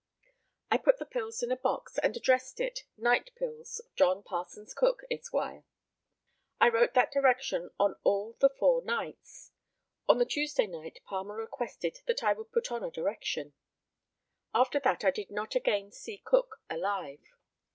I put the pills in a box, and addressed it, "Night pills. John Parsons Cook, Esq." I wrote that direction on all the four nights. On the Tuesday night Palmer requested that I would put on a direction. After that I did not again see Cook alive.